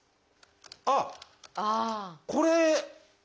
あっこれ。